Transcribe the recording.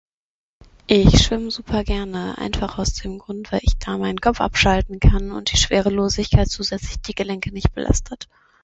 Ich schwimm super gerne, einfach aus dem Grund weil ich da mein Kopf abschalten kann und die Schwerelosigkeit zusätzlich die Gelenke nicht belastet.